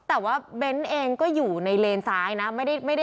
แต่ว่าเบ้นเองก็อยู่ในเลนซ้ายนะ